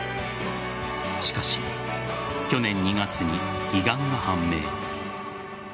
しかし去年２月に胃がんが判明。